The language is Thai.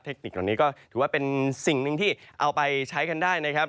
เทคนิคเหล่านี้ก็ถือว่าเป็นสิ่งหนึ่งที่เอาไปใช้กันได้นะครับ